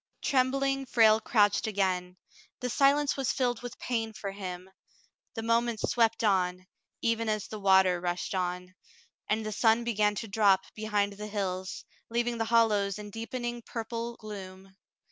Trembling, Frale crouched again. The silence was filled with pain for him. The moments swept on, even as the water rushed on, and the sun began to drop behind the hills, leaving the hollows in deepening purple gloom.